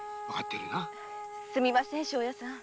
すみません庄屋さん。